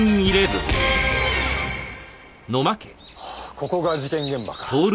ここが事件現場か。